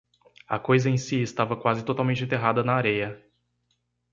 A coisa em si estava quase totalmente enterrada na areia.